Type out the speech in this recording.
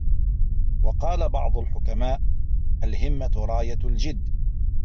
وَقَالَ بَعْضُ الْحُكَمَاءِ الْهِمَّةُ رَايَةُ الْجِدِّ